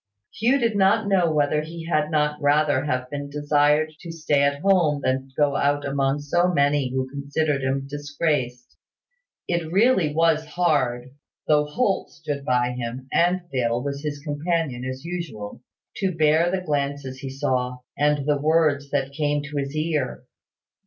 Hugh did not know whether he had not rather have been desired to stay at home than go out among so many who considered him disgraced. It really was hard (though Holt stood by him, and Dale was his companion as usual) to bear the glances he saw, and the words that came to his ear.